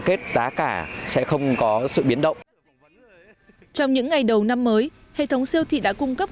kết giá cả sẽ không có sự biến động trong những ngày đầu năm mới hệ thống siêu thị đã cung cấp